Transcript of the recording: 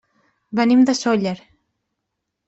Venim de Sóller.